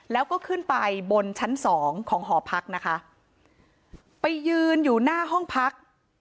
แล้วก็ขึ้นไปบนชั้นสองของหอพักนะคะไปยืนอยู่หน้าห้องพัก